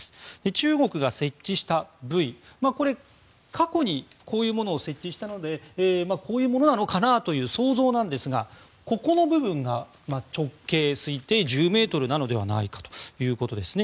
中国が設置したブイこれ、過去にこういうものを設置したのでこういうものなのかなという想像なんですがここの部分が直径推定１０ｍなのではないかということですね。